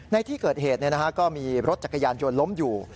ในที่เกิดเหตุก็มีรถจักรยานยนต์ล้มอยู่